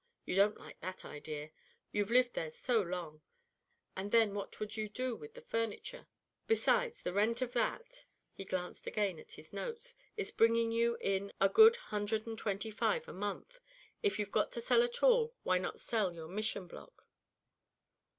You don't like that idea. You've lived there so long, and then what would you do with the furniture; besides, the rent of that," he glanced again at his notes, "is bringing you in a good hundred and twenty five a month. If you've got to sell at all, why not sell your Mission block?"